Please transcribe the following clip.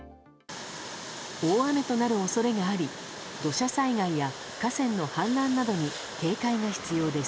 大雨となる恐れがあり土砂災害や河川の氾濫などに警戒が必要です。